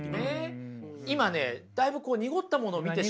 今ねだいぶこう濁ったものを見てしまってる。